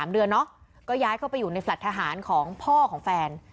๓เดือนเนาะก็ย้ายเข้าไปอยู่ในแฟลต์ทหารของพ่อของแฟน